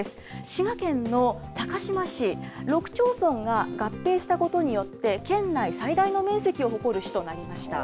滋賀県の高島市、６町村が合併したことによって、県内最大の面積を誇る市となりました。